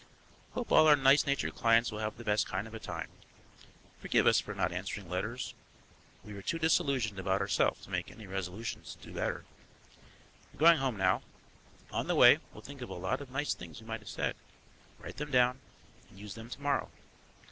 Hope all our nice natured clients will have the best kind of a time; forgive us for not answering letters; we are too disillusioned about ourself to make any resolutions to do better. We're going home now; on the way we'll think of a lot of nice things we might have said, write them down and use them to morrow.